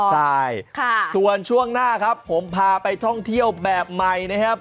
ใช่ส่วนช่วงหน้าครับผมพาไปท่องเที่ยวแบบใหม่นะครับ